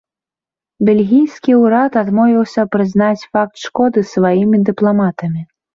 Бельгійскі ўрад адмовіўся прызнаць факт шкоды сваімі дыпламатамі.